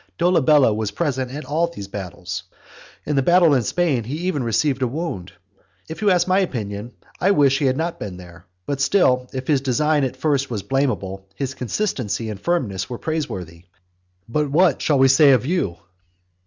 Dolabella was present at all these battles. In the battle in Spain he even received a wound. If you ask my opinion, I wish he had not been there. But still, if his design at first was blameable, his consistency and firmness were praiseworthy. But what shall we say of you?